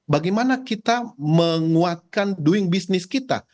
bagaimana kita menguatkan doing business kita